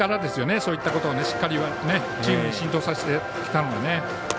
そういうことをしっかりチームに浸透させてきたのは。